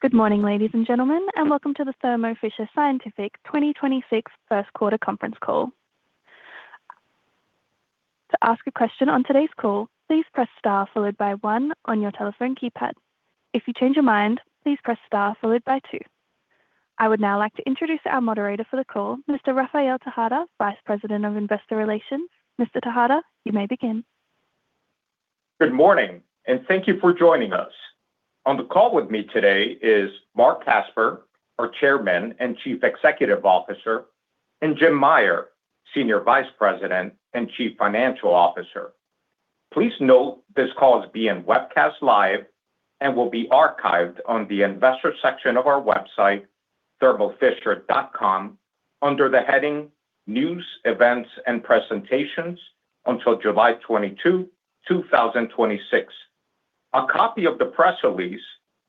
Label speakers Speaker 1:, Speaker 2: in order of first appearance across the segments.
Speaker 1: Good morning, ladies and gentlemen, and welcome to the Thermo Fisher Scientific 2026 Q1 conference call. To ask a question on today's call, please press star followed by one on your telephone keypad. If you change your mind, please press star followed by two. I would now like to introduce our moderator for the call, Mr. Rafael Tejada, Vice President of Investor Relations. Mr. Tejada, you may begin.
Speaker 2: Good morning and thank you for joining us. On the call with me today is Marc Casper, our Chairman and Chief Executive Officer, and Jim Meyer, Senior Vice President and Chief Financial Officer. Please note this call is being webcast live and will be archived on the investor section of our website, thermofisher.com, under the heading News, Events and Presentations until July 22, 2026. A copy of the press release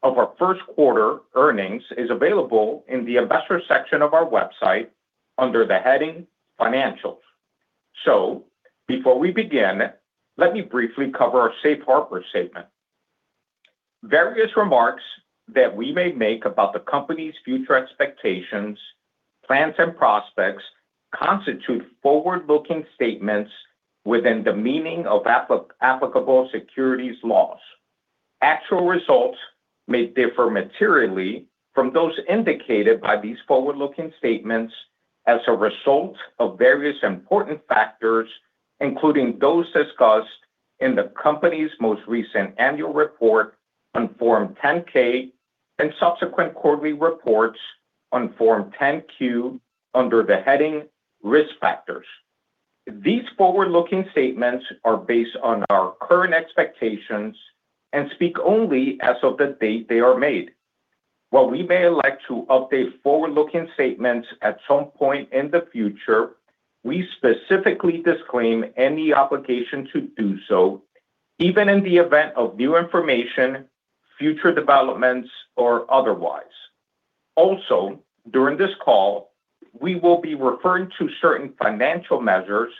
Speaker 2: of our Q1 earnings is available in the investor section of our website under the heading Financials. Before we begin, let me briefly cover our safe harbor statement. Various remarks that we may make about the company's future expectations, plans and prospects constitute forward-looking statements within the meaning of applicable securities laws. Actual results may differ materially from those indicated by these forward-looking statements as a result of various important factors, including those discussed in the company's most recent annual report on Form 10-K and subsequent quarterly reports on Form 10-Q under the heading Risk Factors. These forward-looking statements are based on our current expectations and speak only as of the date they are made. While we may elect to update forward-looking statements at some point in the future, we specifically disclaim any obligation to do so, even in the event of new information, future developments, or otherwise. Also, during this call, we will be referring to certain financial measures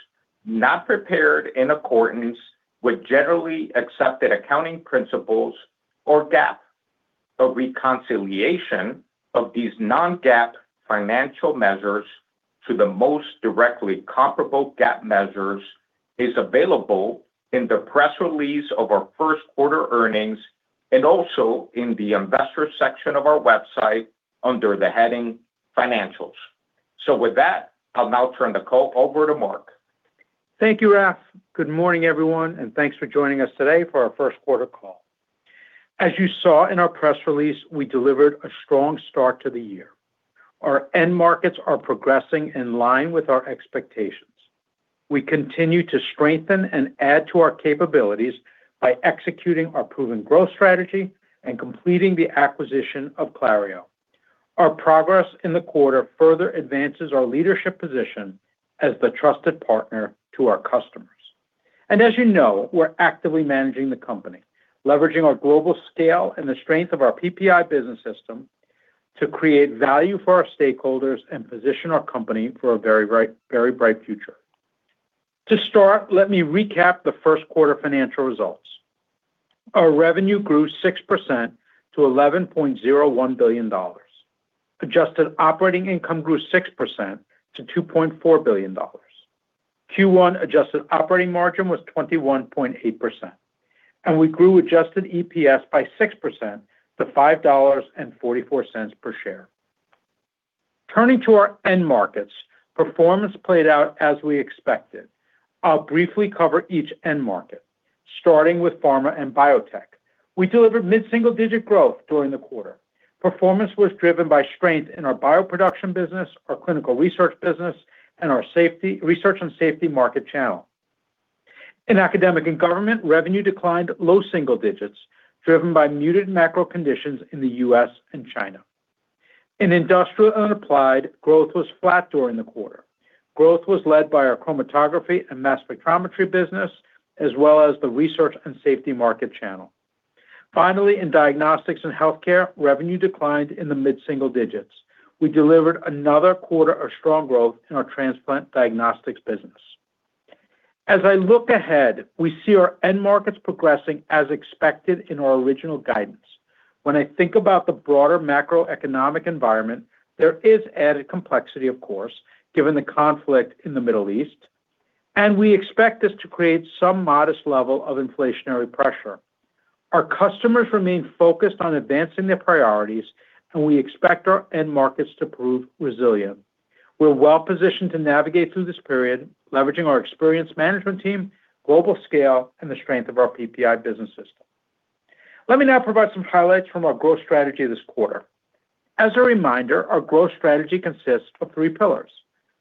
Speaker 2: not prepared in accordance with generally accepted accounting principles or GAAP. A reconciliation of these non-GAAP financial measures to the most directly comparable GAAP measures is available in the press release of our Q1 earnings, and also in the investor section of our website under the heading Financials. With that, I'll now turn the call over to Marc.
Speaker 3: Thank you, Raf. Good morning, everyone, and thanks for joining us today for our Q1 call. As you saw in our press release, we delivered a strong start to the year. Our end markets are progressing in line with our expectations. We continue to strengthen and add to our capabilities by executing our proven growth strategy and completing the acquisition of Clario. Our progress in the quarter further advances our leadership position as the trusted partner to our customers. As you know, we're actively managing the company, leveraging our global scale and the strength of our PPI business system to create value for our stakeholders and position our company for a very bright future. To start, let me recap the Q1 financial results. Our revenue grew 6% to $11.01 billion. Adjusted operating income grew 6% to $2.4 billion. Q1 adjusted operating margin was 21.8%, and we grew adjusted EPS by 6% to $5.44 per share. Turning to our end markets, performance played out as we expected. I'll briefly cover each end market, starting with pharma and biotech. We delivered mid-single-digit growth during the quarter. Performance was driven by strength in our bioproduction business, our clinical research business, and our research and safety market channel. In academic and government, revenue declined low single digits, driven by muted macro conditions in the U.S. and China. In industrial and applied, growth was flat during the quarter. Growth was led by our chromatography and mass spectrometry business, as well as the research and safety market channel. Finally, in diagnostics and healthcare, revenue declined in the mid-single digits. We delivered another quarter of strong growth in our transplant diagnostics business. As I look ahead, we see our end markets progressing as expected in our original guidance. When I think about the broader macroeconomic environment, there is added complexity, of course, given the conflict in the Middle East, and we expect this to create some modest level of inflationary pressure. Our customers remain focused on advancing their priorities, and we expect our end markets to prove resilient. We're well positioned to navigate through this period, leveraging our experienced management team, global scale, and the strength of our PPI business system. Let me now provide some highlights from our growth strategy this quarter. As a reminder, our growth strategy consists of three pillars: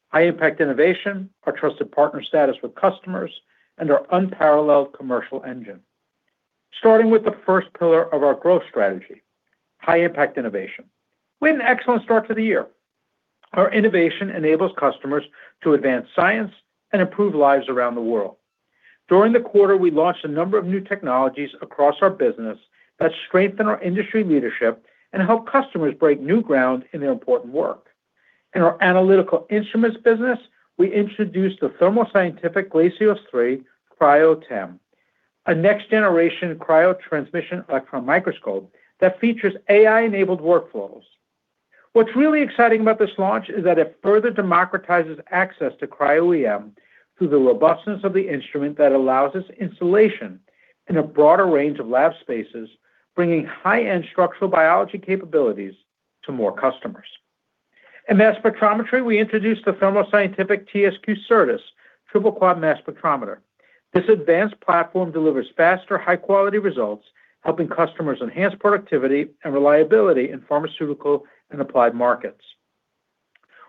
Speaker 3: high-impact innovation, our trusted partner status with customers, and our unparalleled commercial engine. Starting with the first pillar of our growth strategy, high-impact innovation. We had an excellent start to the year. Our innovation enables customers to advance science and improve lives around the world. During the quarter, we launched a number of new technologies across our business that strengthen our industry leadership and help customers break new ground in their important work. In our Analytical Instruments business, we introduced the Thermo Scientific Glacios 3 Cryo-TEM. A next-generation cryogenic transmission electron microscope that features AI-enabled workflows. What's really exciting about this launch is that it further democratizes access to cryo-EM through the robustness of the instrument that allows installation in a broader range of lab spaces, bringing high-end structural biology capabilities to more customers. In mass spectrometry, we introduced the Thermo Scientific TSQ Certis Triple Quadrupole Mass Spectrometer. This advanced platform delivers faster, high-quality results, helping customers enhance productivity and reliability in pharmaceutical and applied markets.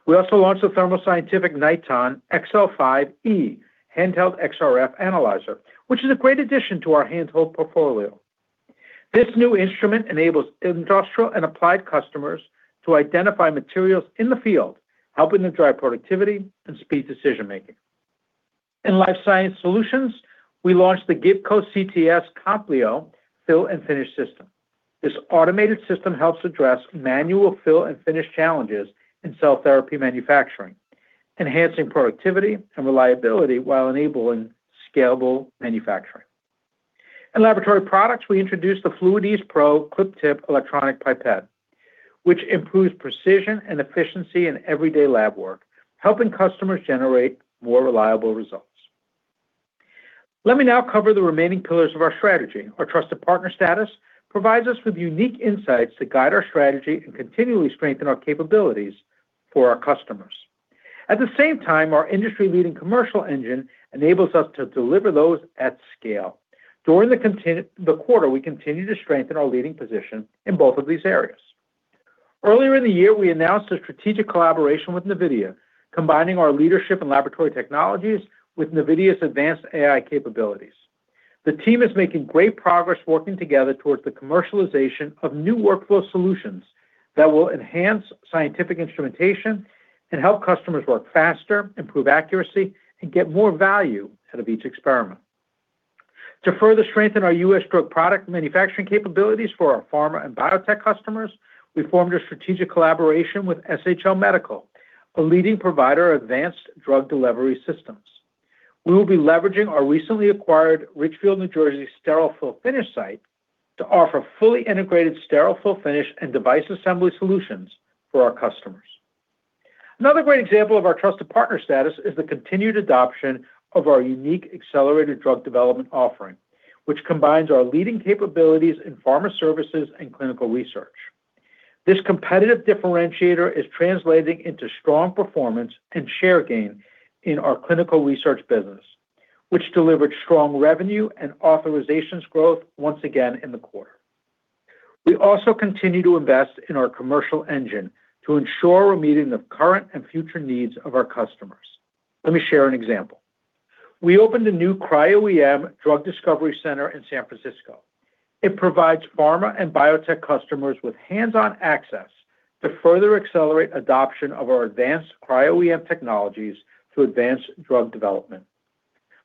Speaker 3: We also launched the Thermo Scientific Niton XL5e handheld XRF analyzer, which is a great addition to our handheld portfolio. This new instrument enables industrial and applied customers to identify materials in the field, helping to drive productivity and speed decision-making. In Life Sciences Solutions, we launched the Gibco CTS Compleo Fill and Finish System. This automated system helps address manual fill and finish challenges in cell therapy manufacturing, enhancing productivity and reliability while enabling scalable manufacturing. In Laboratory Products, we introduced the FluidEase Pro ClipTip Electronic Pipette, which improves precision and efficiency in everyday lab work, helping customers generate more reliable results. Let me now cover the remaining pillars of our strategy. Our trusted partner status provides us with unique insights that guide our strategy and continually strengthen our capabilities for our customers. At the same time, our industry-leading commercial engine enables us to deliver those at scale. During the quarter, we continued to strengthen our leading position in both of these areas. Earlier in the year, we announced a strategic collaboration with NVIDIA, combining our leadership in laboratory technologies with NVIDIA's advanced AI capabilities. The team is making great progress working together towards the commercialization of new workflow solutions that will enhance scientific instrumentation and help customers work faster, improve accuracy, and get more value out of each experiment. To further strengthen our U.S. drug product manufacturing capabilities for our pharma and biotech customers, we formed a strategic collaboration with SHL Medical, a leading provider of advanced drug delivery systems. We will be leveraging our recently acquired Ridgefield, New Jersey sterile fill finish site to offer fully integrated sterile fill finish and device assembly solutions for our customers. Another great example of our trusted partner status is the continued adoption of our unique accelerated drug development offering, which combines our leading capabilities in pharma services and clinical research. This competitive differentiator is translating into strong performance and share gain in our clinical research business, which delivered strong revenue and authorizations growth once again in the quarter. We also continue to invest in our commercial engine to ensure we're meeting the current and future needs of our customers. Let me share an example. We opened a new cryo-EM drug discovery center in San Francisco. It provides pharma and biotech customers with hands-on access to further accelerate adoption of our advanced cryo-EM technologies to advance drug development.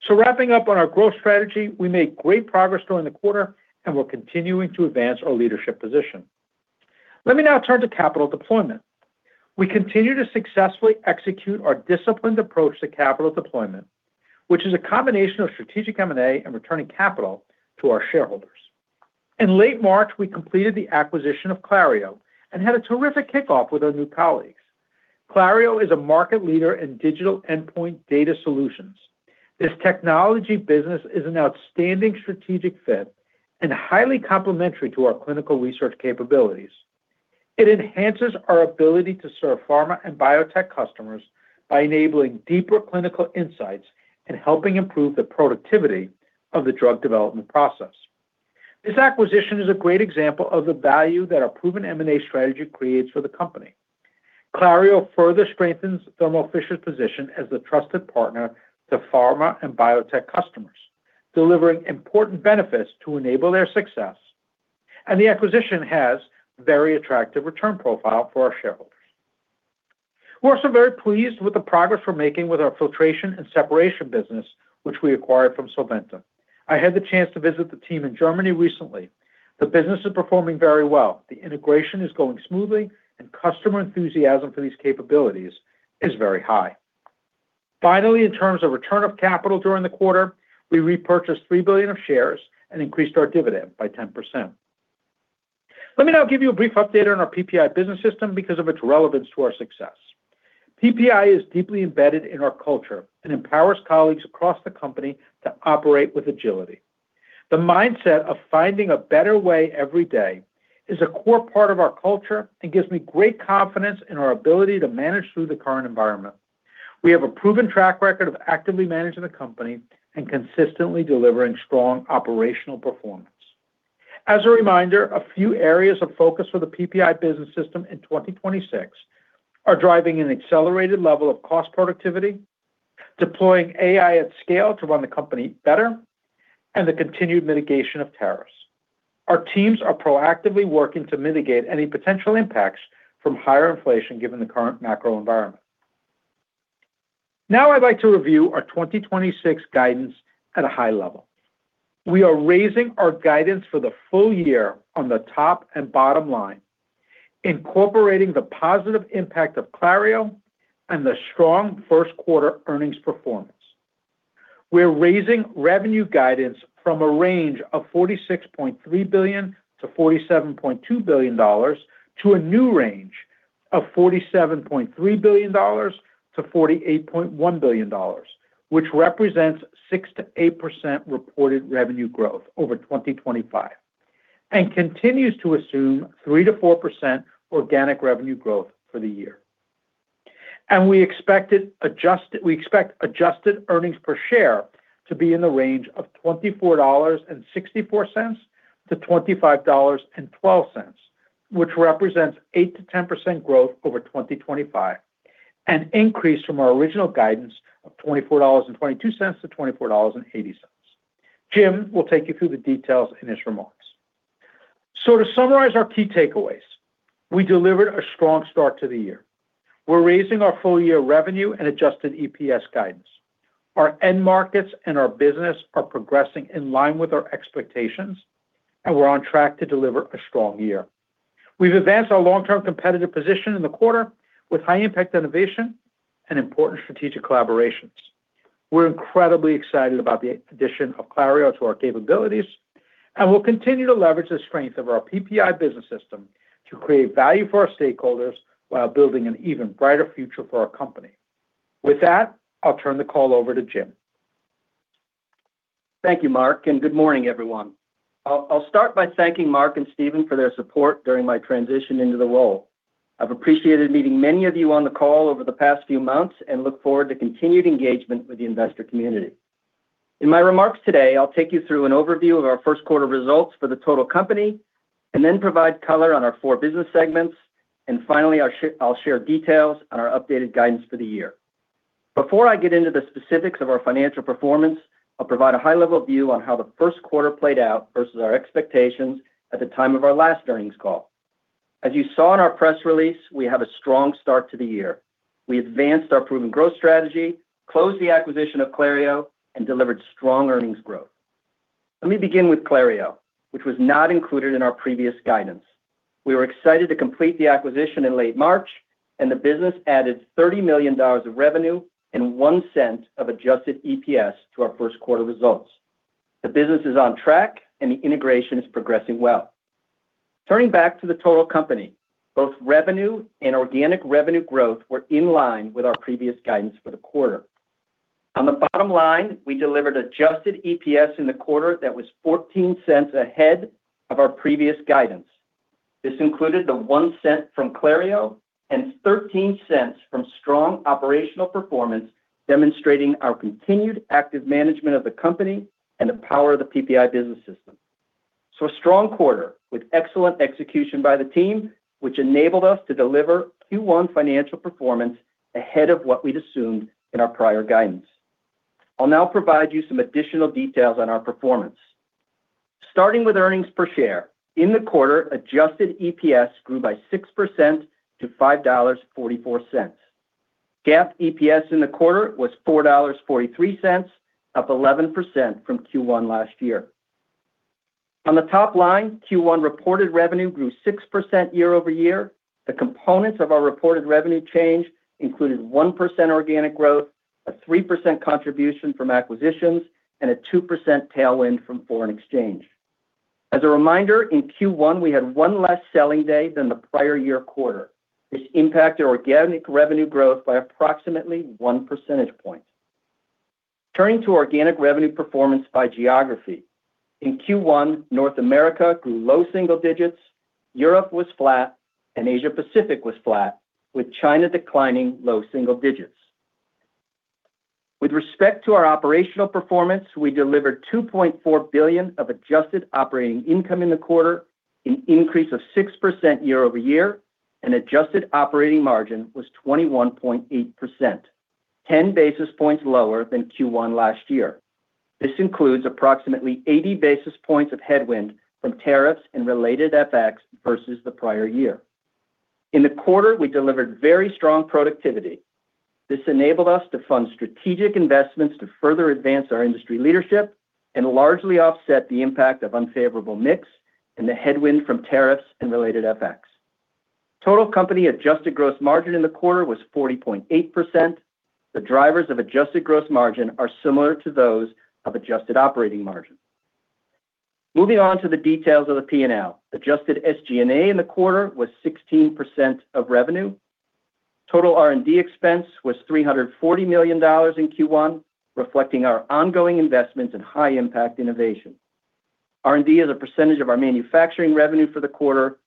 Speaker 3: Wrapping up on our growth strategy, we made great progress during the quarter, and we're continuing to advance our leadership position. Let me now turn to capital deployment. We continue to successfully execute our disciplined approach to capital deployment, which is a combination of strategic M&A and returning capital to our shareholders. In late March, we completed the acquisition of Clario and had a terrific kickoff with our new colleagues. Clario is a market leader in digital endpoint data solutions. This technology business is an outstanding strategic fit and highly complementary to our clinical research capabilities. It enhances our ability to serve pharma and biotech customers by enabling deeper clinical insights and helping improve the productivity of the drug development process. This acquisition is a great example of the value that our proven M&A strategy creates for the company. Clario further strengthens Thermo Fisher's position as the trusted partner to pharma and biotech customers, delivering important benefits to enable their success. The acquisition has very attractive return profile for our shareholders. We're also very pleased with the progress we're making with our filtration and separation business, which we acquired from Solventum. I had the chance to visit the team in Germany recently. The business is performing very well. The integration is going smoothly, and customer enthusiasm for these capabilities is very high. Finally, in terms of return of capital during the quarter, we repurchased $3 billion of shares and increased our dividend by 10%. Let me now give you a brief update on our PPI business system because of its relevance to our success. PPI is deeply embedded in our culture and empowers colleagues across the company to operate with agility. The mindset of finding a better way every day is a core part of our culture and gives me great confidence in our ability to manage through the current environment. We have a proven track record of actively managing the company and consistently delivering strong operational performance. As a reminder, a few areas of focus for the PPI business system in 2026 are driving an accelerated level of cost productivity, deploying AI at scale to run the company better, and the continued mitigation of tariffs. Our teams are proactively working to mitigate any potential impacts from higher inflation given the current macro environment. Now I'd like to review our 2026 guidance at a high level. We are raising our guidance for the full year on the top and bottom line. Incorporating the positive impact of Clario and the strong Q1 earnings performance. We're raising revenue guidance from a range of $46.3 billion-$47.2 billion, to a new range of $47.3 billion-$48.1 billion, which represents 6%-8% reported revenue growth over 2025 and continues to assume 3%-4% organic revenue growth for the year. We expect adjusted earnings per share to be in the range of $24.64-$25.12, which represents 8%-10% growth over 2025, an increase from our original guidance of $24.22-$24.80. Jim will take you through the details in his remarks. To summarize our key takeaways, we delivered a strong start to the year. We're raising our full year revenue and adjusted EPS guidance. Our end markets and our business are progressing in line with our expectations, and we're on track to deliver a strong year. We've advanced our long-term competitive position in the quarter with high impact innovation and important strategic collaborations. We're incredibly excited about the addition of Clario to our capabilities, and we'll continue to leverage the strength of our PPI business system to create value for our stakeholders while building an even brighter future for our company. With that, I'll turn the call over to Jim.
Speaker 4: Thank you, Marc, and good morning, everyone. I'll start by thanking Marc and Stephen for their support during my transition into the role. I've appreciated meeting many of you on the call over the past few months and look forward to continued engagement with the investor community. In my remarks today, I'll take you through an overview of our Q1 results for the total company and then provide color on our four business segments, and finally, I'll share details on our updated guidance for the year. Before I get into the specifics of our financial performance, I'll provide a high-level view on how the Q1 played out versus our expectations at the time of our last earnings call. As you saw in our press release, we had a strong start to the year. We advanced our proven growth strategy, closed the acquisition of Clario, and delivered strong earnings growth. Let me begin with Clario, which was not included in our previous guidance. We were excited to complete the acquisition in late March, and the business added $30 million of revenue and $0.01 of adjusted EPS to our Q1 results. The business is on track, and the integration is progressing well. Turning back to the total company, both revenue and organic revenue growth were in line with our previous guidance for the quarter. On the bottom line, we delivered adjusted EPS in the quarter that was $0.14 ahead of our previous guidance. This included the $0.01 from Clario and $0.13 from strong operational performance, demonstrating our continued active management of the company and the power of the PPI business system. A strong quarter with excellent execution by the team, which enabled us to deliver Q1 financial performance ahead of what we'd assumed in our prior guidance. I'll now provide you some additional details on our performance. Starting with earnings per share. In the quarter, adjusted EPS grew by 6% to $5.44. GAAP EPS in the quarter was $4.43, up 11% from Q1 last year. On the top line, Q1 reported revenue grew 6% year-over-year. The components of our reported revenue change included 1% organic growth, a 3% contribution from acquisitions, and a 2% tailwind from foreign exchange. As a reminder, in Q1, we had one less selling day than the prior year quarter. This impacted our organic revenue growth by approximately one percentage point. Turning to organic revenue performance by geography. In Q1, North America grew low single digits, Europe was flat, and Asia Pacific was flat, with China declining low single digits. With respect to our operational performance, we delivered $2.4 billion of adjusted operating income in the quarter, an increase of 6% year-over-year, and adjusted operating margin was 21.8%, 10 basis points lower than Q1 last year. This includes approximately 80 basis points of headwind from tariffs and related FX versus the prior year. In the quarter, we delivered very strong productivity. This enabled us to fund strategic investments to further advance our industry leadership and largely offset the impact of unfavorable mix and the headwind from tariffs and related FX. Total company adjusted gross margin in the quarter was 40.8%. The drivers of adjusted gross margin are similar to those of adjusted operating margin. Moving on to the details of the P&L. Adjusted SG&A in the quarter was 16% of revenue. Total R&D expense was $340 million in Q1, reflecting our ongoing investments in high impact innovation. R&D as a percentage of our manufacturing revenue for the quarter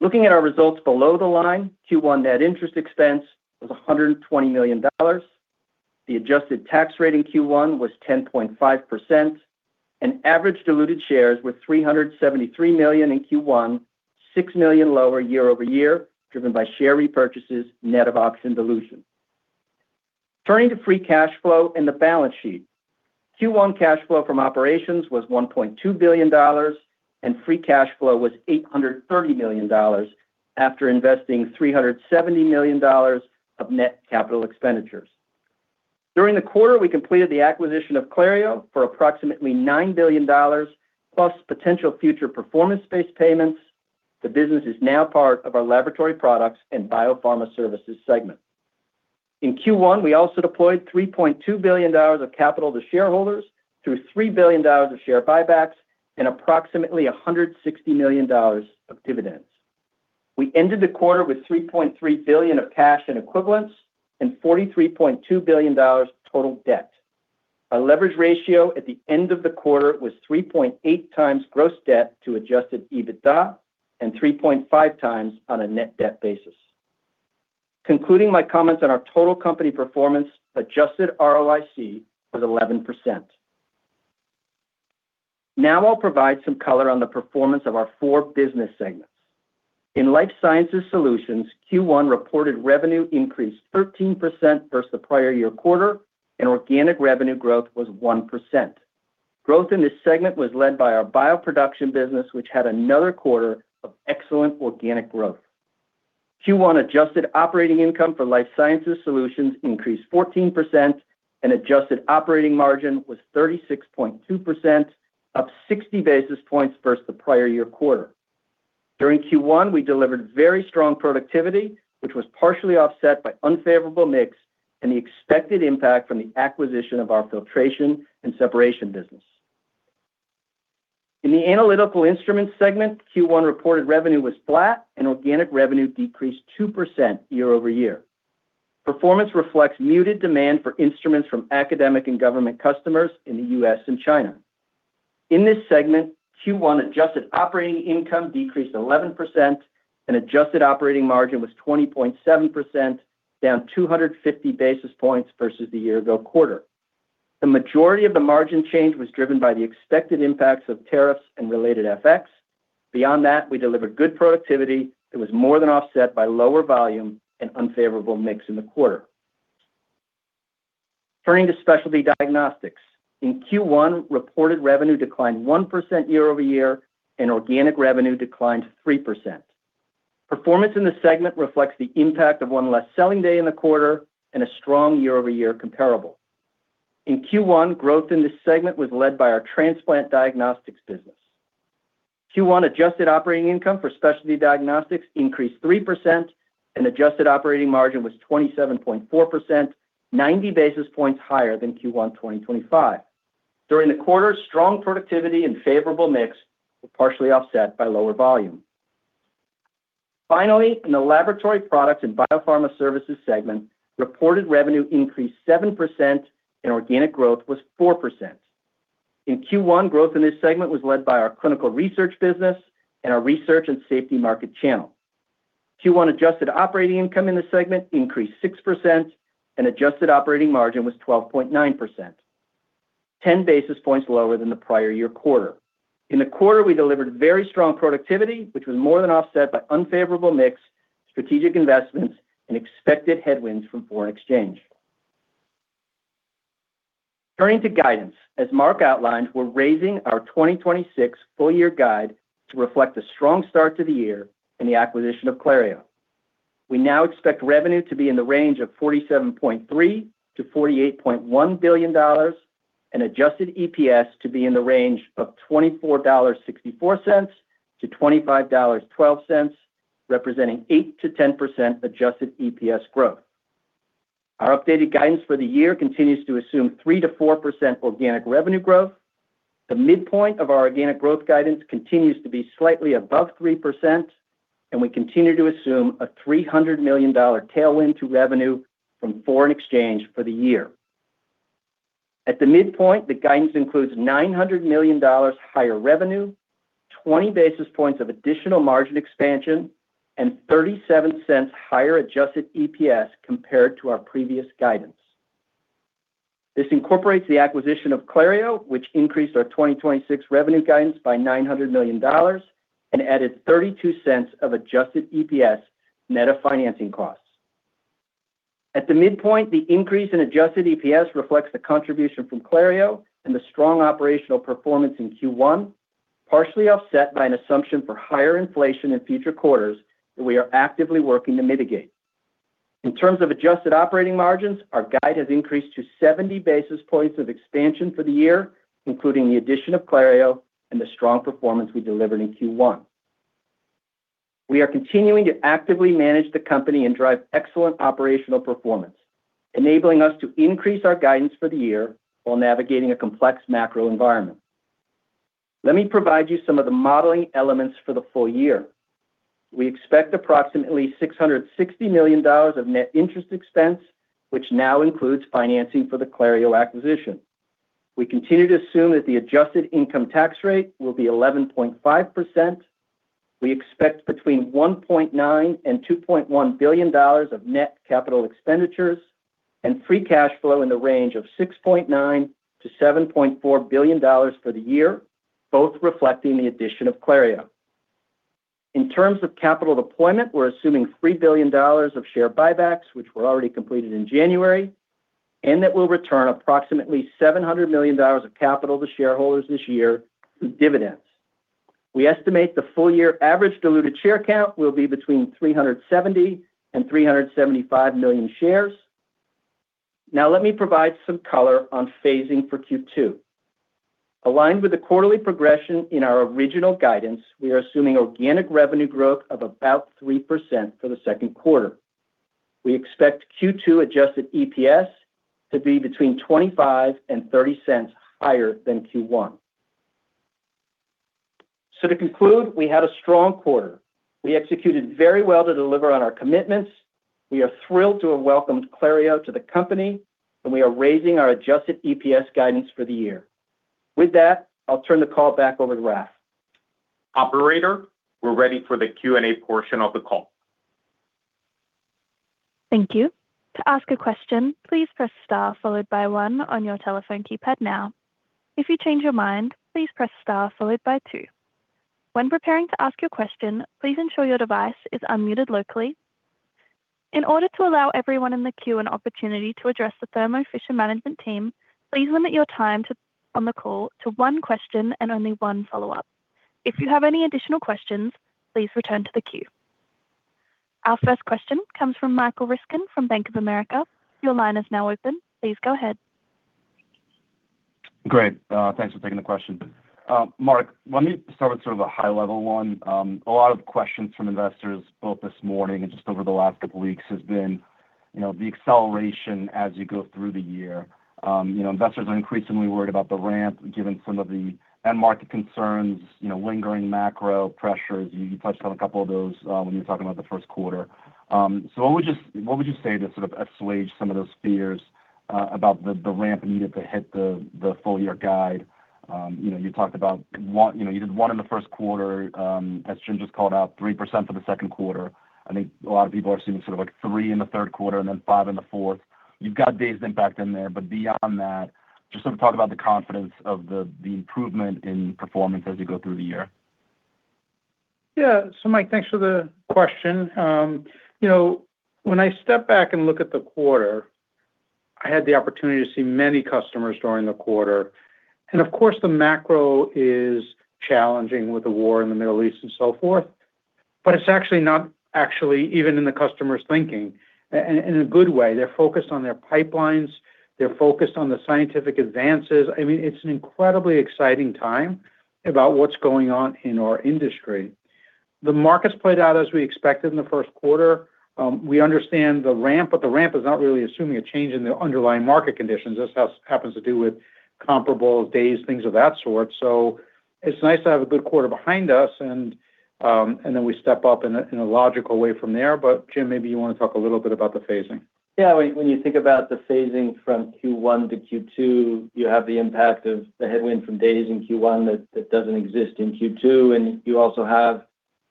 Speaker 4: was 6.9%. Looking at our results below the line, Q1 net interest expense was $120 million. The adjusted tax rate in Q1 was 10.5%, and average diluted shares were 373 million in Q1, 6 million lower year-over-year, driven by share repurchases, net of option dilution. Turning to free cash flow and the balance sheet. Q1 cash flow from operations was $1.2 billion, and free cash flow was $830 million after investing $370 million of net capital expenditures. During the quarter, we completed the acquisition of Clario for approximately $9 billion plus potential future performance-based payments. The business is now part of our Laboratory Products and Biopharma Services segment. In Q1, we also deployed $3.2 billion of capital to shareholders through $3 billion of share buybacks and approximately $160 million of dividends. We ended the quarter with $3.3 billion of cash and equivalents and $43.2 billion total debt. Our leverage ratio at the end of the quarter was 3.8x gross debt to adjusted EBITDA and 3.5x on a net debt basis. Concluding my comments on our total company performance, adjusted ROIC was 11%. Now I'll provide some color on the performance of our four business segments. In Life Sciences Solutions, Q1 reported revenue increased 13% versus the prior year quarter and organic revenue growth was 1%. Growth in this segment was led by our bioproduction business, which had another quarter of excellent organic growth. Q1 adjusted operating income for Life Sciences Solutions increased 14% and adjusted operating margin was 36.2%, up 60 basis points versus the prior year quarter. During Q1, we delivered very strong productivity, which was partially offset by unfavorable mix and the expected impact from the acquisition of our filtration and separation business. In the Analytical Instruments segment, Q1 reported revenue was flat and organic revenue decreased 2% year-over-year. Performance reflects muted demand for instruments from academic and government customers in the U.S. and China. In this segment, Q1 adjusted operating income decreased 11% and adjusted operating margin was 20.7%, down 250 basis points versus the year-ago quarter. The majority of the margin change was driven by the expected impacts of tariffs and related FX. Beyond that, we delivered good productivity that was more than offset by lower volume and unfavorable mix in the quarter. Turning to Specialty Diagnostics. In Q1, reported revenue declined 1% year-over-year and organic revenue declined 3%. Performance in the segment reflects the impact of one less selling day in the quarter and a strong year-over-year comparable. In Q1, growth in this segment was led by our transplant diagnostics business. Q1 adjusted operating income for Specialty Diagnostics increased 3% and adjusted operating margin was 27.4%, 90 basis points higher than Q1 2025. During the quarter, strong productivity and favorable mix were partially offset by lower volume. Finally, in the Laboratory Products and Biopharma Services segment, reported revenue increased 7% and organic growth was 4%. In Q1, growth in this segment was led by our clinical research business and our research and safety market channel. Q1 adjusted operating income in the segment increased 6% and adjusted operating margin was 12.9%, 10 basis points lower than the prior year quarter. In the quarter, we delivered very strong productivity, which was more than offset by unfavorable mix, strategic investments and expected headwinds from foreign exchange. Turning to guidance. As Marc outlined, we're raising our 2026 full year guide to reflect a strong start to the year in the acquisition of Clario. We now expect revenue to be in the range of $47.3 billion-$48.1 billion and adjusted EPS to be in the range of $24.64-$25.12, representing 8%-10% adjusted EPS growth. Our updated guidance for the year continues to assume 3%-4% organic revenue growth. The midpoint of our organic growth guidance continues to be slightly above 3%, and we continue to assume a $300 million tailwind to revenue from foreign exchange for the year. At the midpoint, the guidance includes $900 million higher revenue, 20 basis points of additional margin expansion, and $0.37 higher adjusted EPS compared to our previous guidance. This incorporates the acquisition of Clario, which increased our 2026 revenue guidance by $900 million and added $0.32 of adjusted EPS net of financing costs. At the midpoint, the increase in adjusted EPS reflects the contribution from Clario and the strong operational performance in Q1, partially offset by an assumption for higher inflation in future quarters that we are actively working to mitigate. In terms of adjusted operating margins, our guide has increased to 70 basis points of expansion for the year, including the addition of Clario and the strong performance we delivered in Q1. We are continuing to actively manage the company and drive excellent operational performance, enabling us to increase our guidance for the year while navigating a complex macro environment. Let me provide you some of the modeling elements for the full year. We expect approximately $660 million of net interest expense, which now includes financing for the Clario acquisition. We continue to assume that the adjusted income tax rate will be 11.5%. We expect between $1.9 billion and $2.1 billion of net capital expenditures and free cash flow in the range of $6.9 billion-$7.4 billion for the year, both reflecting the addition of Clario. In terms of capital deployment, we're assuming $3 billion of share buybacks, which were already completed in January, and that we'll return approximately $700 million of capital to shareholders this year through dividends. We estimate the full year average diluted share count will be between 370 and 375 million shares. Now let me provide some color on phasing for Q2. Aligned with the quarterly progression in our original guidance, we are assuming organic revenue growth of about 3% for the Q2. We expect Q2 adjusted EPS to be between $0.25 and $0.30 higher than Q1. To conclude, we had a strong quarter. We executed very well to deliver on our commitments. We are thrilled to have welcomed Clario to the company, and we are raising our adjusted EPS guidance for the year. With that, I'll turn the call back over to Raf.
Speaker 2: Operator, we're ready for the Q&A portion of the call.
Speaker 1: Thank you. To ask a question, please press star followed by one on your telephone keypad now. If you change your mind, please press star followed by two. When preparing to ask your question, please ensure your device is unmuted locally. In order to allow everyone in the queue an opportunity to address the Thermo Fisher management team, please limit your time on the call to one question and only one follow-up. If you have any additional questions, please return to the queue. Our first question comes from Michael Ryskin from Bank of America. Your line is now open. Please go ahead.
Speaker 5: Great. Thanks for taking the question. Marc, let me start with sort of a high level one. A lot of questions from investors, both this morning and just over the last couple weeks, has been the acceleration as you go through the year. Investors are increasingly worried about the ramp given some of the end market concerns, lingering macro pressures. You touched on a couple of those when you were talking about the Q1. What would you say to sort of assuage some of those fears about the ramp needed to hit the full year guide? You talked about, you did 1% in the Q1, as Jim just called out, 3% for the Q2. I think a lot of people are assuming sort of 3% in the Q3 and then 5% in the Q4. You've got days impact in there, but beyond that, just sort of talk about the confidence of the improvement in performance as we go through the year.
Speaker 3: Yeah. Mike, thanks for the question. When I step back and look at the quarter, I had the opportunity to see many customers during the quarter. Of course, the macro is challenging with the war in the Middle East and so forth, but it's actually not even in the customer's thinking, in a good way. They're focused on their pipelines. They're focused on the scientific advances. I mean, it's an incredibly exciting time about what's going on in our industry. The markets played out as we expected in the Q1. We understand the ramp, but the ramp is not really assuming a change in the underlying market conditions. This has to do with comparables, days, things of that sort. It's nice to have a good quarter behind us and then we step up in a logical way from there. Jim, maybe you want to talk a little bit about the phasing.
Speaker 4: Yeah. When you think about the phasing from Q1 to Q2, you have the impact of the headwind from days in Q1 that doesn't exist in Q2, and you also have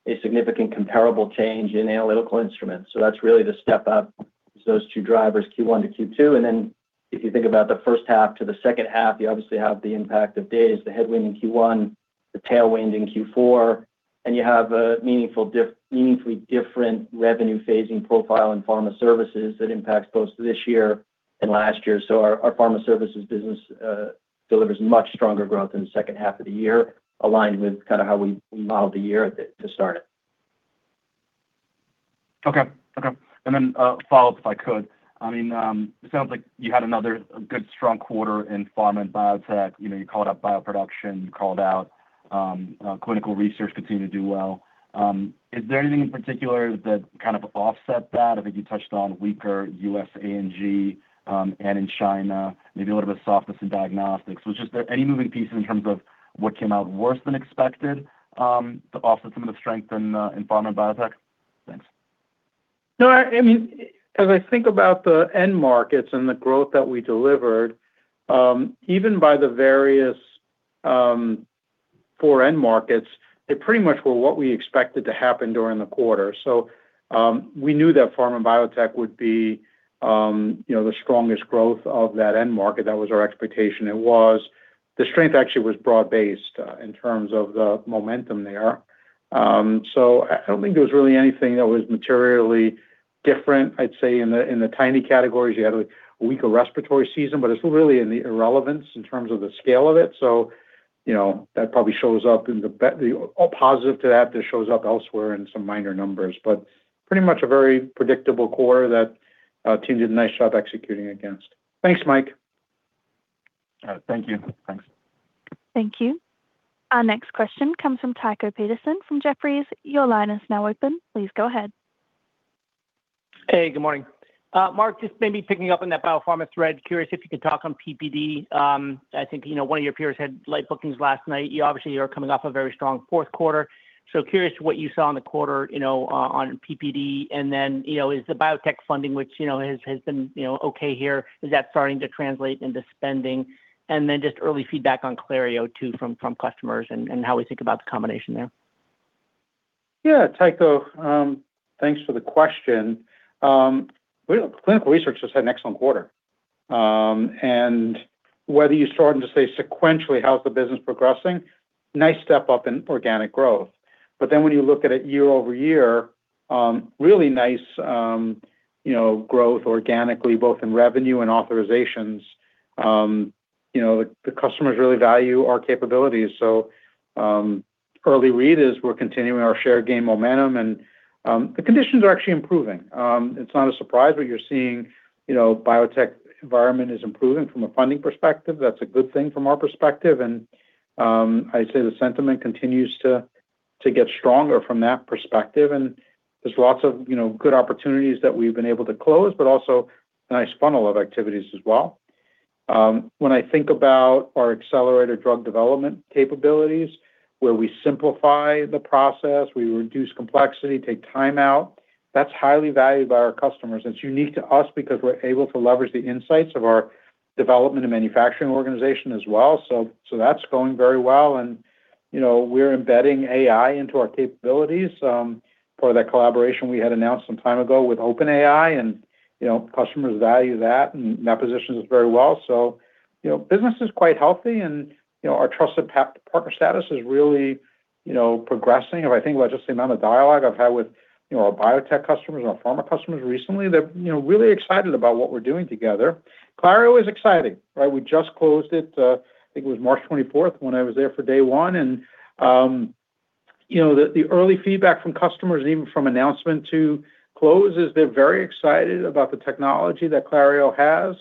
Speaker 4: a significant comparable change in analytical instruments. That's really the step up is those two drivers, Q1 to Q2. Then if you think about the H1 to the H2, you obviously have the impact of days, the headwind in Q1, the tailwind in Q4, and you have a meaningfully different revenue phasing profile in pharma services that impacts both this year and last year. Our pharma services business delivers much stronger growth in the H2 of the year, aligned with kind of how we modeled the year to start it.
Speaker 5: Okay. A follow-up, if I could. It sounds like you had another good, strong quarter in pharma and biotech. You called out bioproduction, you called out Clinical Research continued to do well. Is there anything in particular that kind of offset that? I think you touched on weaker U.S. and in China, maybe a little bit of softness in diagnostics. Was there just any moving pieces in terms of what came out worse than expected to offset some of the strength in pharma and biotech? Thanks.
Speaker 3: No. As I think about the end markets and the growth that we delivered, even by the various foreign markets, they pretty much were what we expected to happen during the quarter. We knew that pharma and biotech would be the strongest growth of that end market. That was our expectation. The strength actually was broad-based in terms of the momentum there. I don't think there was really anything that was materially different. I'd say in the tiny categories, you had a weaker respiratory season, but it's really an irrelevance in terms of the scale of it. That probably shows up in the all positive to that shows up elsewhere in some minor numbers. Pretty much a very predictable quarter that our team did a nice job executing against. Thanks, Mike.
Speaker 5: All right. Thank you. Thanks.
Speaker 1: Thank you. Our next question comes from Tycho Peterson from Jefferies. Your line is now open. Please go ahead.
Speaker 6: Hey, good morning. Marc, just maybe picking up on that biopharma thread, curious if you could talk on PPD. I think one of your peers had light bookings last night. You obviously are coming off a very strong Q4. Curious what you saw in the quarter on PPD, and then, is the biotech funding, which has been okay here, is that starting to translate into spending? Just early feedback on Clario too from customers and how we think about the combination there.
Speaker 3: Yeah. Tycho, thanks for the question. Clinical Research just had an excellent quarter. Whether you start and just say sequentially, how's the business progressing, nice step up in organic growth. But then when you look at it year-over-year, really nice growth organically, both in revenue and authorizations. The customers really value our capabilities. Early read is we're continuing our share gain momentum, and the conditions are actually improving. It's not a surprise, but you're seeing biotech environment is improving from a funding perspective. That's a good thing from our perspective. I'd say the sentiment continues to get stronger from that perspective, and there's lots of good opportunities that we've been able to close, but also a nice funnel of activities as well. When I think about our accelerator drug development capabilities, where we simplify the process, we reduce complexity, take time out, that's highly valued by our customers. It's unique to us because we're able to leverage the insights of our development and manufacturing organization as well. That's going very well, and we're embedding AI into our capabilities. Part of that collaboration we had announced some time ago with OpenAI, and customers value that, and that positions us very well. Business is quite healthy, and our trusted partner status is really progressing. If I think about just the amount of dialogue I've had with our biotech customers and our pharma customers recently, they're really excited about what we're doing together. Clario is exciting, right? We just closed it, I think it was March 24th when I was there for day one. The early feedback from customers, even from announcement to close, is they're very excited about the technology that Clario has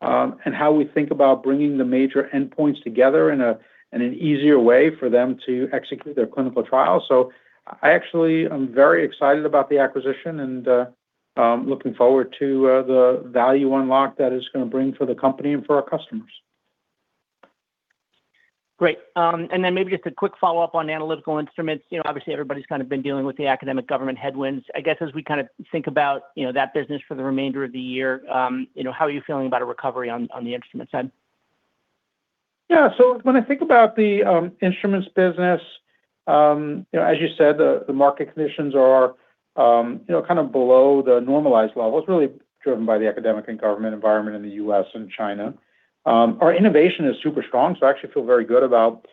Speaker 3: and how we think about bringing the major endpoints together in an easier way for them to execute their clinical trials. I actually am very excited about the acquisition and looking forward to the value unlock that it's going to bring for the company and for our customers.
Speaker 6: Great. Maybe just a quick follow-up on Analytical Instruments. Obviously, everybody's kind of been dealing with the academic government headwinds. I guess as we think about that business for the remainder of the year, how are you feeling about a recovery on the instrument side?
Speaker 3: Yeah. When I think about the instruments business, as you said, the market conditions are below the normalized levels, really driven by the academic and government environment in the U.S. and China. Our innovation is super strong, so I actually feel very good about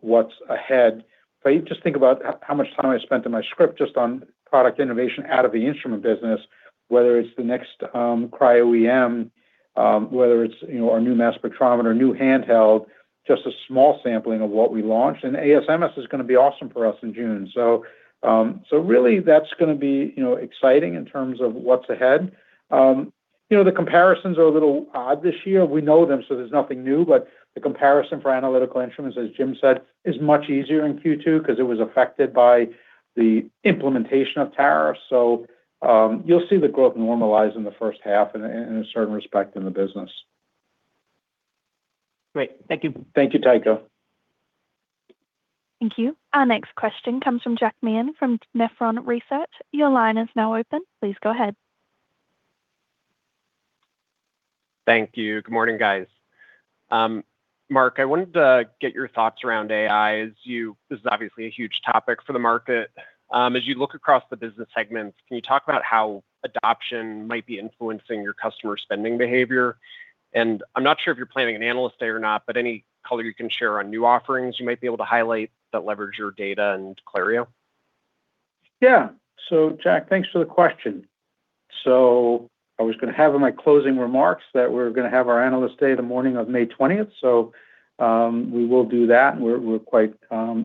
Speaker 3: what's ahead. If you just think about how much time I spent in my script just on product innovation out of the instrument business, whether it's the next cryo-EM, whether it's our new mass spectrometer, new handheld, just a small sampling of what we launched, and ASMS is going to be awesome for us in June. Really, that's going to be exciting in terms of what's ahead. The comparisons are a little odd this year. We know them, so there's nothing new, but the comparison for Analytical Instruments, as Jim said, is much easier in Q2 because it was affected by the implementation of tariffs. You'll see the growth normalize in the H1 in a certain respect in the business.
Speaker 6: Great. Thank you.
Speaker 3: Thank you, Tycho.
Speaker 1: Thank you. Our next question comes from Jack Meehan from Nephron Research. Your line is now open. Please go ahead.
Speaker 7: Thank you. Good morning, guys. Marc, I wanted to get your thoughts around AI, as this is obviously a huge topic for the market. As you look across the business segments, can you talk about how adoption might be influencing your customer spending behavior? I'm not sure if you're planning an analyst day or not, but any color you can share on new offerings you might be able to highlight that leverage your data and Clario?
Speaker 3: Yeah. Jack, thanks for the question. I was going to have in my closing remarks that we're going to have our analyst day the morning of May 20th. We will do that, and we're quite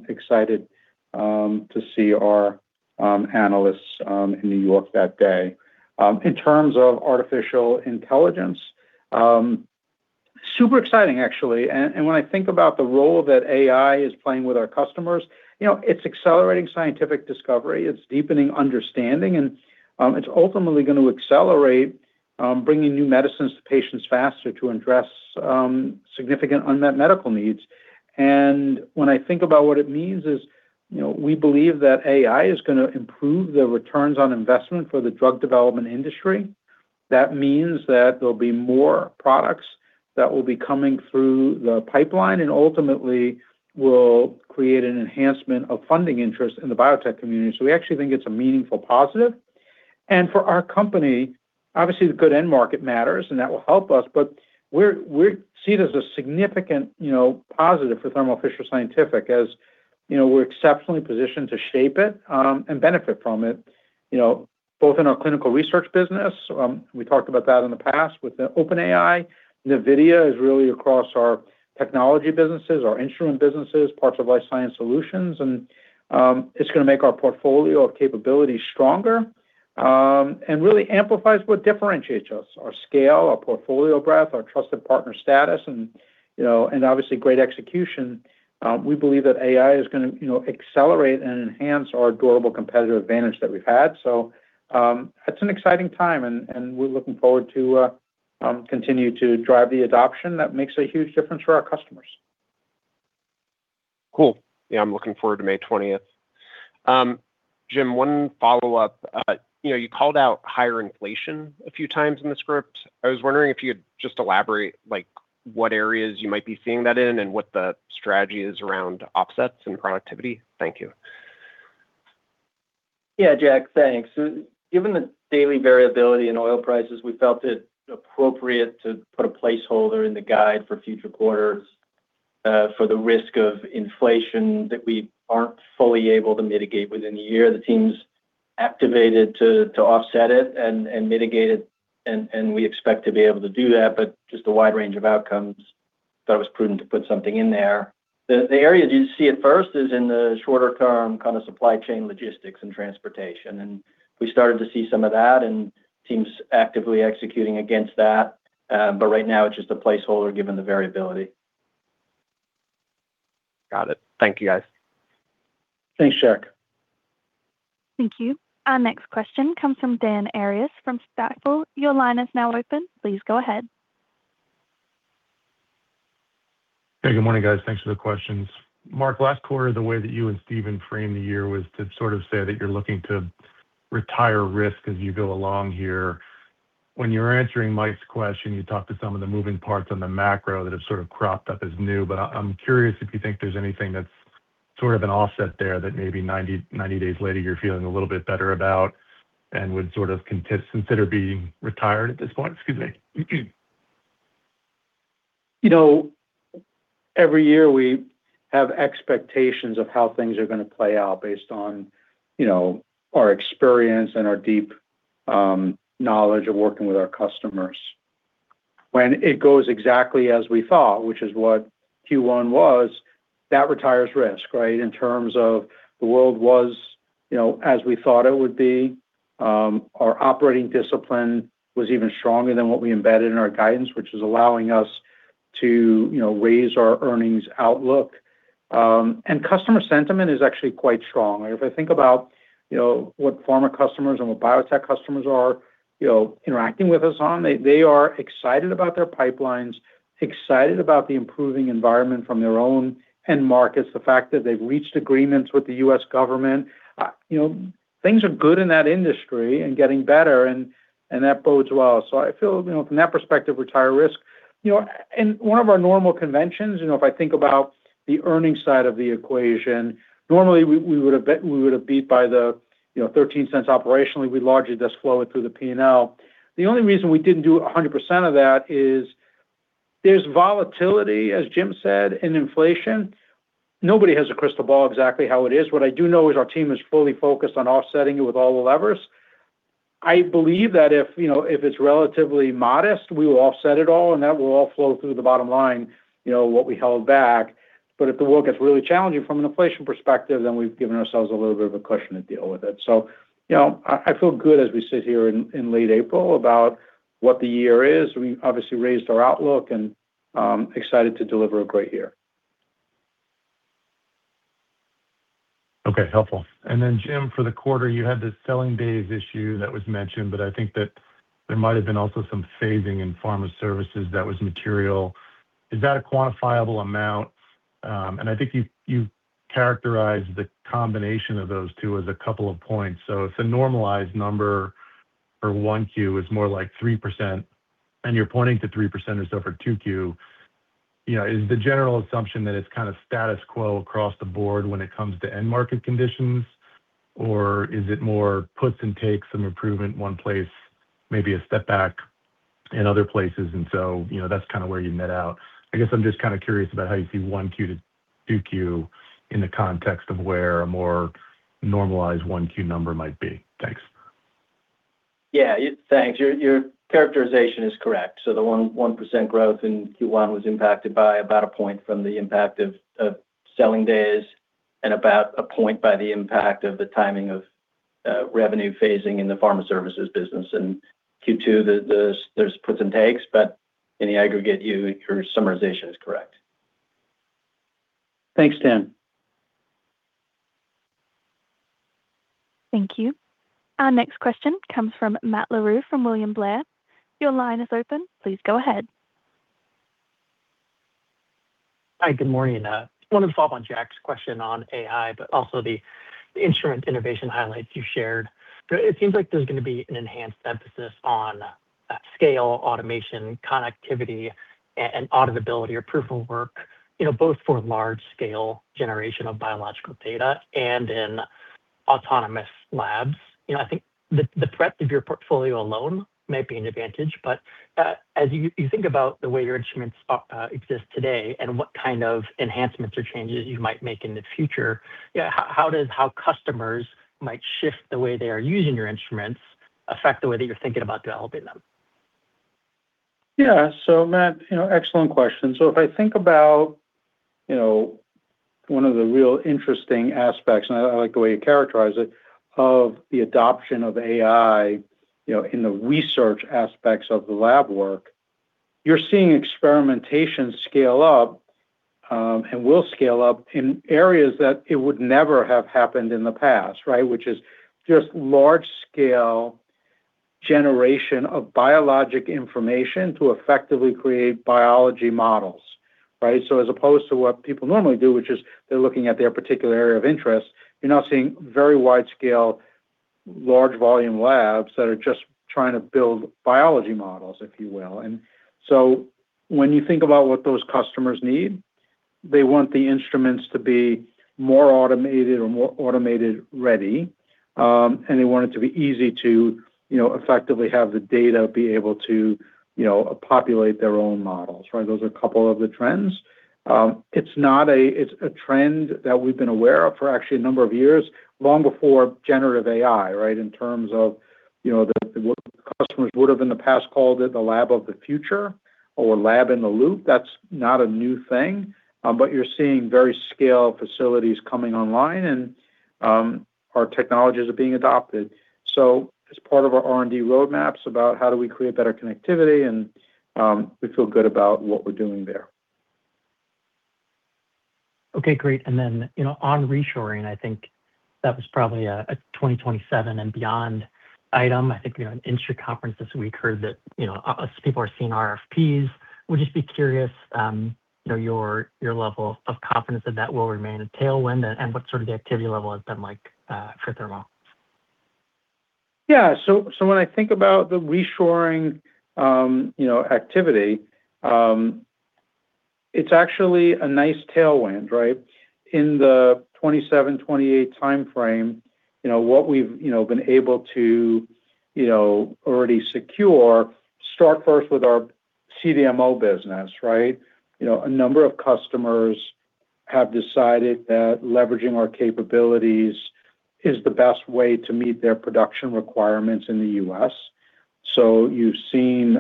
Speaker 3: excited to see our analysts in New York that day. In terms of artificial intelligence, super exciting, actually. When I think about the role that AI is playing with our customers, it's accelerating scientific discovery, it's deepening understanding, and it's ultimately going to accelerate bringing new medicines to patients faster to address significant unmet medical needs. When I think about what it means is, we believe that AI is going to improve the returns on investment for the drug development industry. That means that there'll be more products that will be coming through the pipeline and ultimately will create an enhancement of funding interest in the biotech community. We actually think it's a meaningful positive. For our company, obviously the good end market matters, and that will help us, but we see it as a significant positive for Thermo Fisher Scientific, as we're exceptionally positioned to shape it and benefit from it both in our clinical research business. We talked about that in the past with the OpenAI. NVIDIA is really across our technology businesses, our instrument businesses, parts of Life Sciences Solutions, and it's going to make our portfolio of capabilities stronger. Really amplifies what differentiates us, our scale, our portfolio breadth, our trusted partner status and obviously great execution. We believe that AI is going to accelerate and enhance our durable competitive advantage that we've had. It's an exciting time, and we're looking forward to continue to drive the adoption that makes a huge difference for our customers.
Speaker 7: Cool. Yeah, I'm looking forward to May 20th. Jim, one follow-up. You called out higher inflation a few times in the script. I was wondering if you'd just elaborate what areas you might be seeing that in and what the strategy is around offsets and productivity. Thank you.
Speaker 4: Yeah, Jack. Thanks. Given the daily variability in oil prices, we felt it appropriate to put a placeholder in the guide for future quarters for the risk of inflation that we aren't fully able to mitigate within a year. The team's activated to offset it and mitigate it, and we expect to be able to do that, but just a wide range of outcomes. Thought it was prudent to put something in there. The area you see it first is in the shorter-term kind of supply chain logistics and transportation. We started to see some of that and teams actively executing against that. Right now, it's just a placeholder given the variability.
Speaker 7: Got it. Thank you, guys.
Speaker 3: Thanks, Jack.
Speaker 1: Thank you. Our next question comes from Dan Arias from Stifel. Your line is now open. Please go ahead.
Speaker 8: Hey, good morning, guys. Thanks for the questions. Marc, last quarter, the way that you and Stephen framed the year was to sort of say that you're looking to retire risk as you go along here. When you were answering Mike's question, you talked to some of the moving parts on the macro that have sort of cropped up as new, but I'm curious if you think there's anything that's sort of an offset there that maybe 90 days later you're feeling a little bit better about and would sort of consider being retired at this point. Excuse me.
Speaker 3: Every year we have expectations of how things are going to play out based on our experience and our deep knowledge of working with our customers. When it goes exactly as we thought, which is what Q1 was, that retires risk, right? In terms of the world was as we thought it would be. Our operating discipline was even stronger than what we embedded in our guidance, which is allowing us to raise our earnings outlook. And customer sentiment is actually quite strong. If I think about what pharma customers and what biotech customers are interacting with us on, they are excited about their pipelines, excited about the improving environment from their own end markets, the fact that they've reached agreements with the U.S. government. Things are good in that industry and getting better and that bodes well. I feel from that perspective, retire risk. In one of our normal conventions, if I think about the earnings side of the equation, normally we would've beat by the $0.13 operationally. We'd largely just flow it through the P&L. The only reason we didn't do 100% of that is there's volatility, as Jim said, in inflation. Nobody has a crystal ball exactly how it is. What I do know is our team is fully focused on offsetting it with all the levers. I believe that if it's relatively modest, we will offset it all, and that will all flow through the bottom line, what we held back. But if the world gets really challenging from an inflation perspective, then we've given ourselves a little bit of a cushion to deal with it. I feel good as we sit here in late April about what the year is. We obviously raised our outlook and excited to deliver a great year.
Speaker 8: Okay. Helpful. Jim, for the quarter, you had this selling days issue that was mentioned, but I think that there might've been also some phasing in pharma services that was material. Is that a quantifiable amount? I think you characterized the combination of those two as a couple of points. If the normalized number for 1Q is more like 3% and you're pointing to 3% or so for 2Q, is the general assumption that it's kind of status quo across the board when it comes to end market conditions, or is it more puts and takes, some improvement in one place, maybe a step back in other places, and so that's kind of where you net out? I guess I'm just kind of curious about how you see 1Q to 2Q in the context of where a more normalized 1Q number might be? Thanks.
Speaker 4: Yeah. Thanks. Your characterization is correct. The 1% growth in Q1 was impacted by about a point from the impact of selling days and about a point by the impact of the timing of revenue phasing in the pharma services business. In Q2, there's puts and takes, but in the aggregate, your summarization is correct.
Speaker 3: Thanks, Dan.
Speaker 1: Thank you. Our next question comes from Matt Larew from William Blair. Your line is open. Please go ahead.
Speaker 9: Hi, good morning. I wanted to follow up on Jack's question on AI, but also the instrument innovation highlights you shared. It seems like there's going to be an enhanced emphasis on scale, automation, connectivity, and auditability or proof of work both for large-scale generation of biological data and in autonomous labs. I think the breadth of your portfolio alone might be an advantage, but as you think about the way your instruments exist today and what kind of enhancements or changes you might make in the future, how customers might shift the way they are using your instruments affect the way that you're thinking about developing them?
Speaker 3: Yeah. Matt, excellent question. If I think about one of the real interesting aspects, and I like the way you characterize it, of the adoption of AI in the research aspects of the lab work, you're seeing experimentation scale up, and will scale up in areas that it would never have happened in the past, right? Which is just large-scale generation of biologic information to effectively create biology models, right? As opposed to what people normally do, which is they're looking at their particular area of interest, you're now seeing very wide-scale, large volume labs that are just trying to build biology models, if you will. When you think about what those customers need. They want the instruments to be more automated or more automated-ready, and they want it to be easy to effectively have the data be able to populate their own models. Those are a couple of the trends. It's a trend that we've been aware of for actually a number of years, long before generative AI, in terms of what customers would've in the past called it the lab of the future or lab in the loop. That's not a new thing, but you're seeing very scale facilities coming online, and our technologies are being adopted. As part of our R&D roadmaps about how do we create better connectivity, and we feel good about what we're doing there.
Speaker 9: Okay, great. On reshoring, I think that was probably a 2027 and beyond item. I think at a SenSys conference this week I heard that people are seeing RFPs. I would just be curious your level of confidence that that will remain a tailwind and what sort of the activity level has been like for Thermo.
Speaker 3: Yeah. When I think about the reshoring activity, it's actually a nice tailwind, right? In the 2027, 2028 timeframe, what we've been able to already secure, start first with our CDMO business. A number of customers have decided that leveraging our capabilities is the best way to meet their production requirements in the U.S. You've seen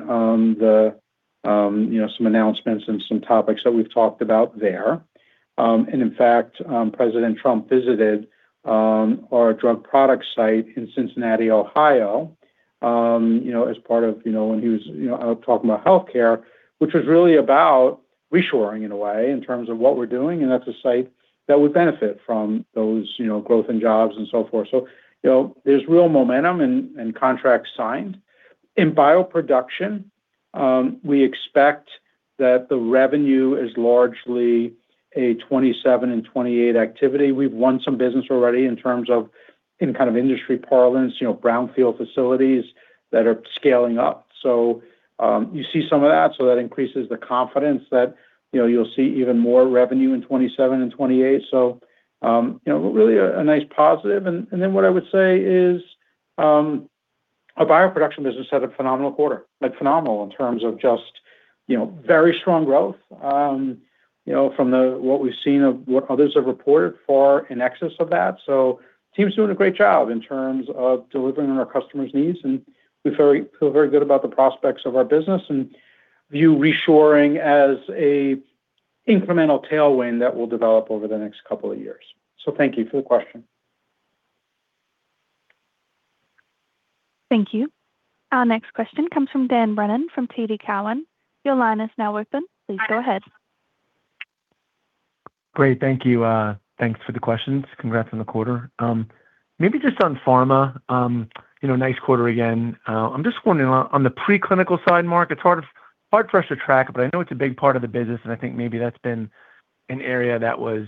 Speaker 3: some announcements and some topics that we've talked about there. And in fact, President Trump visited our drug product site in Cincinnati, Ohio as part of when he was out talking about healthcare, which was really about reshoring in a way in terms of what we're doing, and that's a site that would benefit from those growth in jobs and so forth. There's real momentum and contracts signed. In bioproduction, we expect that the revenue is largely a 2027 and 2028 activity. We've won some business already in terms of in kind of industry parlance, brownfield facilities that are scaling up. You see some of that, so that increases the confidence that you'll see even more revenue in 2027 and 2028. Really a nice positive. Then what I would say is our bioproduction business had a phenomenal quarter, like phenomenal in terms of just very strong growth from what we've seen of what others have reported far in excess of that. Team's doing a great job in terms of delivering on our customers' needs, and we feel very good about the prospects of our business and view reshoring as a incremental tailwind that will develop over the next couple of years. Thank you for the question.
Speaker 1: Thank you. Our next question comes from Dan Brennan from TD Cowen. Your line is now open. Please go ahead.
Speaker 10: Great. Thank you. Thanks for the questions. Congrats on the quarter. Maybe just on pharma. Nice quarter again. I'm just wondering on the preclinical side, Marc, it's hard for us to track, but I know it's a big part of the business, and I think maybe that's been an area that was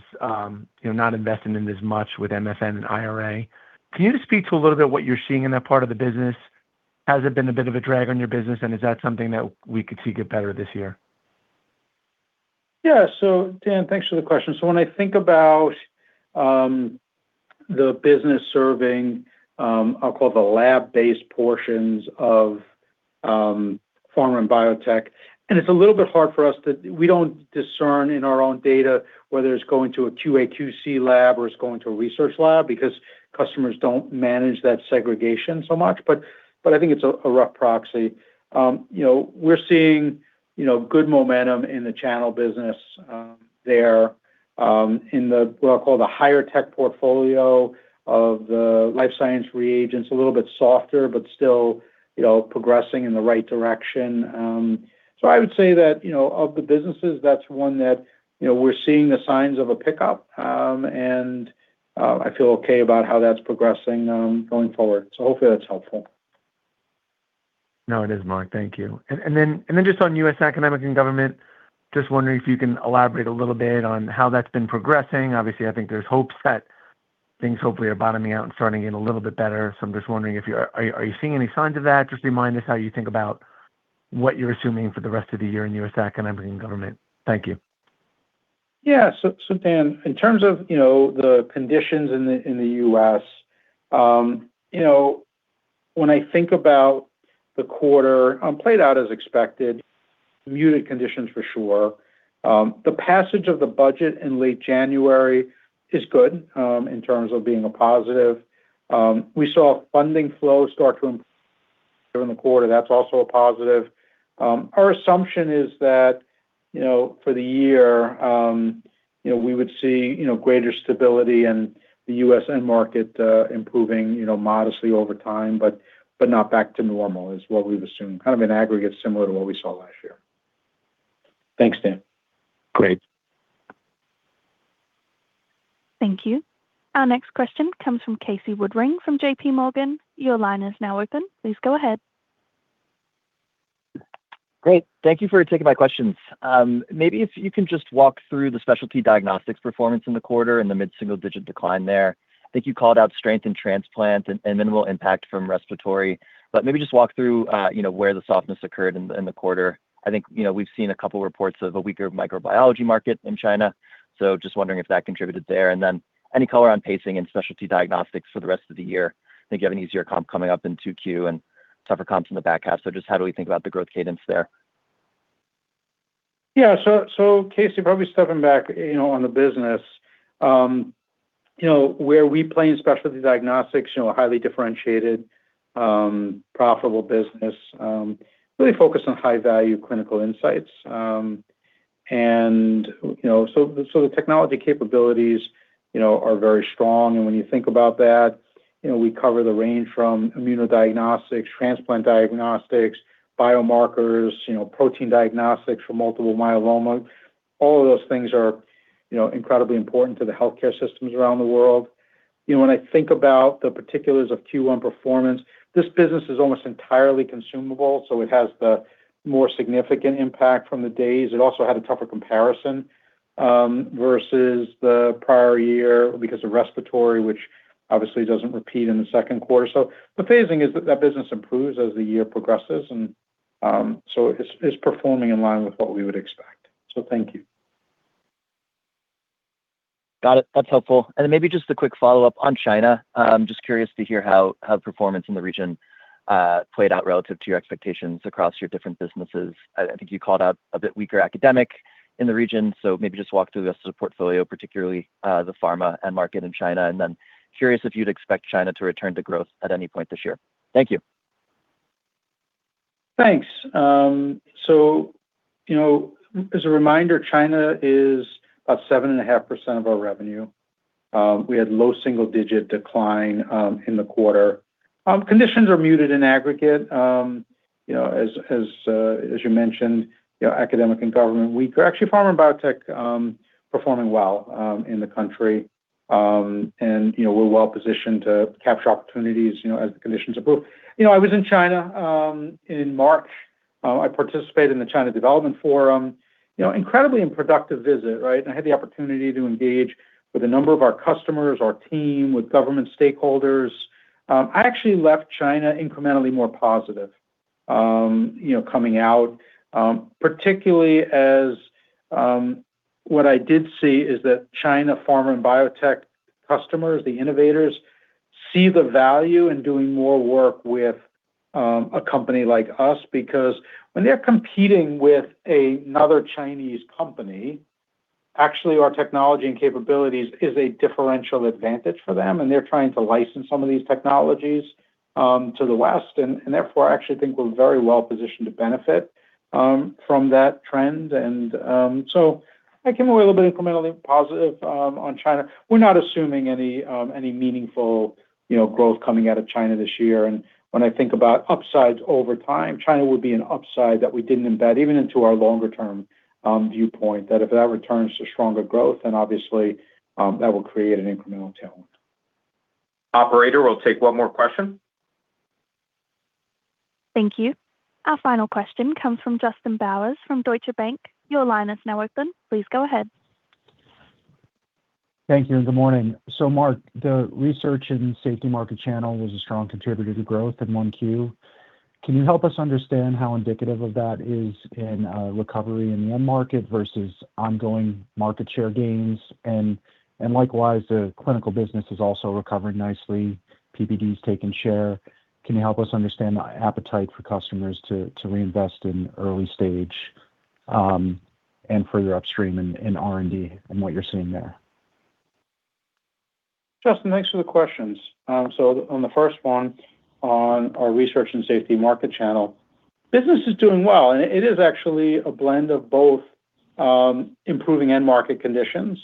Speaker 10: not invested in as much with MSN and IRA. Can you just speak to a little bit what you're seeing in that part of the business? Has it been a bit of a drag on your business, and is that something that we could see get better this year?
Speaker 3: Yeah. Dan, thanks for the question. When I think about the business serving, I'll call the lab-based portions of pharma and biotech. We don't discern in our own data whether it's going to a QA/QC lab or it's going to a research lab because customers don't manage that segregation so much. I think it's a rough proxy. We're seeing good momentum in the channel business there, in what I'll call the higher tech portfolio of the life science reagents, a little bit softer, but still progressing in the right direction. I would say that of the businesses, that's one that we're seeing the signs of a pickup. I feel okay about how that's progressing going forward. Hopefully that's helpful.
Speaker 10: No, it is, Marc. Thank you. Then just on U.S. economic and government, just wondering if you can elaborate a little bit on how that's been progressing. Obviously, I think there's hopes that things hopefully are bottoming out and turning in a little bit better. I'm just wondering if are you seeing any signs of that? Just remind us how you think about what you're assuming for the rest of the year in U.S. economic and government. Thank you.
Speaker 3: Yeah. Dan, in terms of the conditions in the U.S., when I think about the quarter, played out as expected. Muted conditions for sure. The passage of the budget in late January is good in terms of being a positive. We saw funding flow start to improve during the quarter, that's also a positive. Our assumption is that for the year, we would see greater stability and the U.S. end market improving modestly over time, but not back to normal is what we've assumed, kind of an aggregate similar to what we saw last year. Thanks, Dan.
Speaker 10: Great.
Speaker 1: Thank you. Our next question comes from Casey Woodring from JPMorgan. Your line is now open. Please go ahead.
Speaker 11: Great. Thank you for taking my questions. Maybe if you can just walk through the Specialty Diagnostics performance in the quarter and the mid-single-digit decline there. I think you called out strength in transplant and minimal impact from respiratory, but maybe just walk through where the softness occurred in the quarter. I think we've seen a couple reports of a weaker microbiology market in China. Just wondering if that contributed there, and then any color on pacing and Specialty Diagnostics for the rest of the year. I think you have an easier comp coming up in 2Q and tougher comps in the back half. Just how do we think about the growth cadence there?
Speaker 3: Yeah. Casey, probably stepping back on the business, where we play in Specialty Diagnostics, a highly differentiated, profitable business, really focused on high-value clinical insights. The technology capabilities are very strong, and when you think about that, we cover the range from immunodiagnostics, transplant diagnostics, biomarkers, protein diagnostics for multiple myeloma. All of those things are incredibly important to the healthcare systems around the world. When I think about the particulars of Q1 performance, this business is almost entirely consumable, so it has the more significant impact from the days. It also had a tougher comparison versus the prior year because of respiratory, which obviously doesn't repeat in the Q2. The phasing is that that business improves as the year progresses, and so it's performing in line with what we would expect. Thank you.
Speaker 11: Got it. That's helpful. Then maybe just a quick follow-up on China. I'm just curious to hear how performance in the region played out relative to your expectations across your different businesses. I think you called out a bit weaker academic in the region, so maybe just walk through the rest of the portfolio, particularly the pharma end market in China. I'm curious if you'd expect China to return to growth at any point this year. Thank you.
Speaker 3: Thanks. As a reminder, China is about 7.5% of our revenue. We had low single-digit decline in the quarter. Conditions are muted in aggregate as you mentioned, academic and government weaker. Actually, pharma and biotech performing well in the country. We're well-positioned to capture opportunities as the conditions improve. I was in China, in March. I participated in the China Development Forum. Incredibly productive visit, right? I had the opportunity to engage with a number of our customers, our team, with government stakeholders. I actually left China incrementally more positive coming out, particularly as what I did see is that China pharma and biotech customers, the innovators, see the value in doing more work with a company like us because when they're competing with another Chinese company, actually our technology and capabilities is a differential advantage for them, and they're trying to license some of these technologies to the West. Therefore, I actually think we're very well-positioned to benefit from that trend. I came away a little bit incrementally positive on China. We're not assuming any meaningful growth coming out of China this year. When I think about upsides over time, China would be an upside that we didn't embed even into our longer-term viewpoint that if that returns to stronger growth, then obviously that will create an incremental tailwind.
Speaker 2: Operator, we'll take one more question.
Speaker 1: Thank you. Our final question comes from Justin Bowers from Deutsche Bank. Your line is now open. Please go ahead.
Speaker 12: Thank you, and good morning. Marc, the research and safety market channel was a strong contributor to growth in 1Q. Can you help us understand how indicative of that is in recovery in the end market versus ongoing market share gains? Likewise, the clinical business is also recovering nicely. PPD's taking share. Can you help us understand the appetite for customers to reinvest in early stage, and further upstream in R&D and what you're seeing there?
Speaker 3: Justin, thanks for the questions. On the first one on our research and safety market channel, business is doing well, and it is actually a blend of both improving end market conditions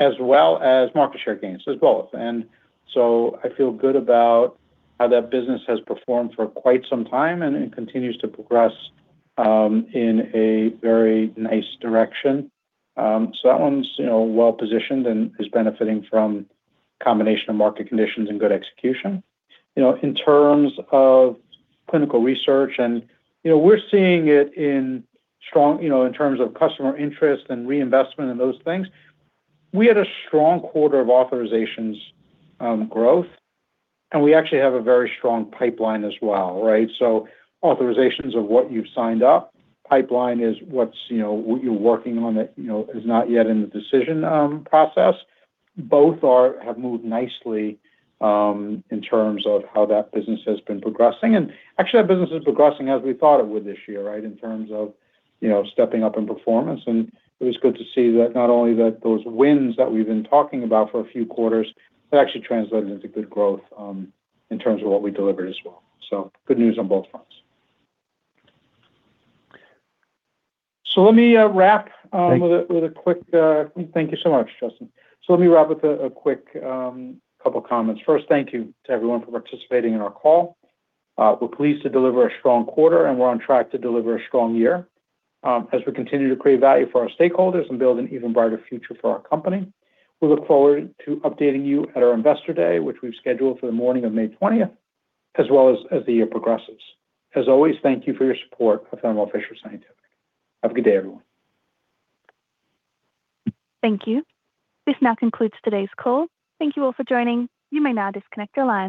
Speaker 3: as well as market share gains. It's both. I feel good about how that business has performed for quite some time, and it continues to progress in a very nice direction. That one's well-positioned and is benefiting from combination of market conditions and good execution. In terms of clinical research, we're seeing it in terms of customer interest and reinvestment and those things. We had a strong quarter of authorizations growth, and we actually have a very strong pipeline as well, right? Authorizations are what you've signed up. Pipeline is what you're working on that is not yet in the decision process. Both have moved nicely in terms of how that business has been progressing. Actually, that business is progressing as we thought it would this year, right, in terms of stepping up in performance. It was good to see that not only that those wins that we've been talking about for a few quarters, they actually translated into good growth in terms of what we delivered as well. Good news on both fronts. Let me wrap.
Speaker 12: Thanks.
Speaker 3: Thank you so much, Justin. Let me wrap with a quick couple of comments. First, thank you to everyone for participating in our call. We're pleased to deliver a strong quarter, and we're on track to deliver a strong year as we continue to create value for our stakeholders and build an even brighter future for our company. We look forward to updating you at our Investor Day, which we've scheduled for the morning of May 20th, as the year progresses. As always, thank you for your support of Thermo Fisher Scientific. Have a good day, everyone.
Speaker 1: Thank you. This now concludes today's call. Thank you all for joining. You may now disconnect your lines.